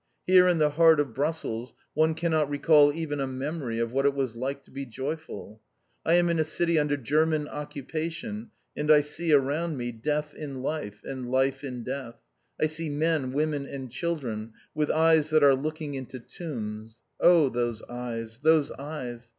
Here in the heart of Brussels one cannot recall even a memory of what it was like to be joyful! I am in a city under German occupation; and I see around me death in life, and life in death. I see men, women, and children, with eyes that are looking into tombs. Oh those eyes, those eyes!